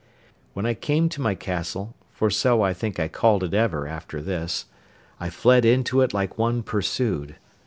When I came to my castle (for so I think I called it ever after this), I fled into it like one pursued.